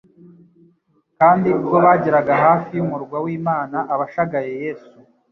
Kandi ubwo bageraga hafi y'umurwa w'Imana, abashagaye Yesu